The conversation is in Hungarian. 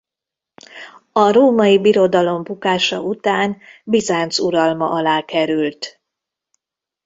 A Római Birodalom bukása után Bizánc uralma alá került.